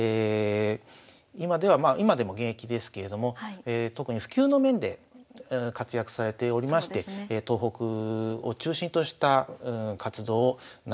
今ではまあ今でも現役ですけれども特に普及の面で活躍されておりまして東北を中心とした活動をなさってますね。